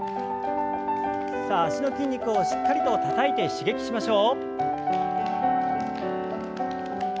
さあ脚の筋肉をしっかりとたたいて刺激しましょう。